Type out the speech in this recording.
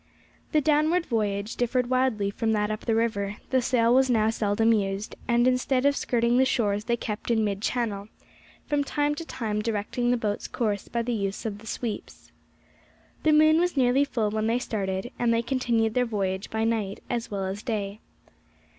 The downward voyage differed widely from that up the river; the sail was now seldom used, and instead of skirting the shores they kept in mid channel, from time to time directing the boat's course by the use of the sweeps. The moon was nearly full when they started, and they continued their voyage by night as well as day.